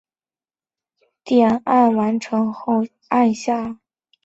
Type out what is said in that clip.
道格拉斯维尔是一个位于美国乔治亚州道格拉斯县的城市。